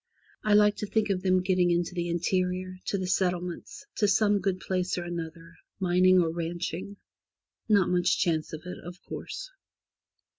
I like to think of them getting into the interior, to the settlements, to some good place or another, mining or ranching — not much chance of it, of course.